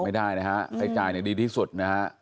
ไม่ได้นะฮะให้จ่ายเนี่ยดีที่สุดนะฮะ